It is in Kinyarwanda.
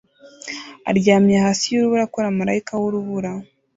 aryamye hasi yurubura akora marayika wurubura